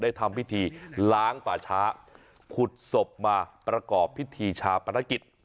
ทำพิธีล้างป่าช้าขุดศพมาประกอบพิธีชาปนกิจ